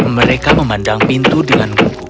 mereka memandang pintu dengan gubuk